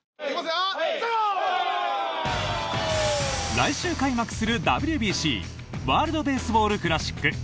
来週開幕するＷＢＣ＝ワールド・ベースボール・クラシック。